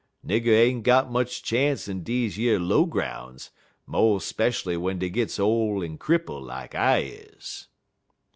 Nigger ain't got much chance in deze yer low groun's, mo' speshually w'en dey gits ole en cripple lak I is."